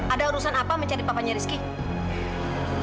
ada urusan apa mencari papanya rizky